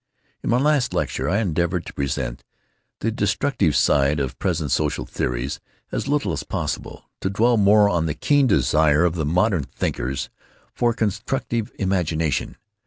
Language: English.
"In my last lecture I endeavored to present the destructive side of present social theories as little as possible; to dwell more on the keen desire of the modern thinkers for constructive imagination.